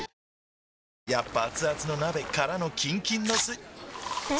やっぱアツアツの鍋からのキンキンのスん？